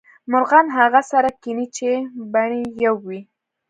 مرغان هغه سره کینې چې بڼې یو وې